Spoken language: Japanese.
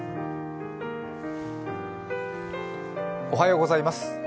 おはようございます。